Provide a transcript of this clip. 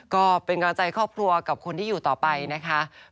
ก็เป็นกำลังใจครอบครัวกับคนที่อยู่ต่อไปนะคะ